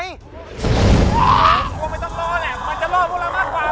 กลัวไม่ต้องรอแหละมันจะรอพวกเรามากกว่า